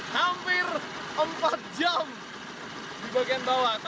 hampir empat jam di bagian bawah